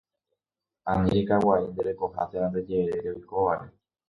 Ani rekaguai nde rekoha térã nde jerére oikóvare